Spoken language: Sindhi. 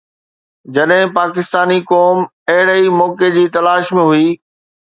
جڏهن پاڪستاني قوم اهڙي ئي موقعي جي تلاش ۾ هئي.